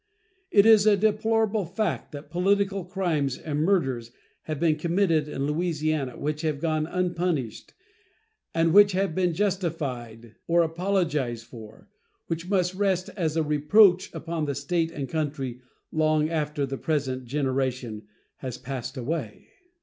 It is a deplorable fact that political crimes and murders have been committed in Louisiana which have gone unpunished, and which have been justified or apologized for, which must rest as a reproach upon the State and country long after the present generation has passed away.